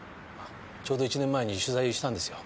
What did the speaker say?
ちょうど１年前に取材したんですよ。